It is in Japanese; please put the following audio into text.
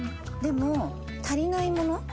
でも足りない物